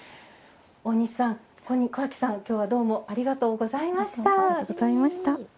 大西さん、小晶さん、きょうはどうもありがとうございました。